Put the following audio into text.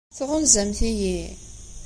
Tɣunzamt-iyi?